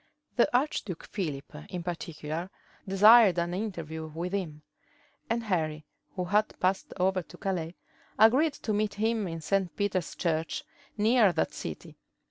The archduke Philip, in particular, desired an interview with him; and Henry, who had passed over to Calais, agreed to meet him in St. Peter's church, near that city.